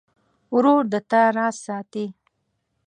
ورور د تا راز ساتي.